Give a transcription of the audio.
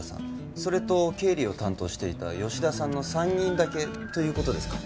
それと経理を担当していた吉田さんの３人だけということですか？